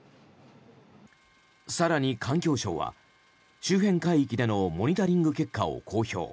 更に、環境省は周辺海域でのモニタリング結果を公表。